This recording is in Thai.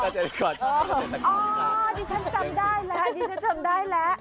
ดิฉันจำได้แล้ว